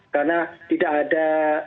karena tidak ada